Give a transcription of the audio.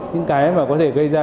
những cái mà có thể gây ra